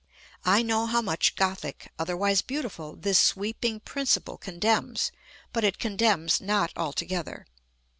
I know how much Gothic, otherwise beautiful, this sweeping principle condemns; but it condemns not altogether.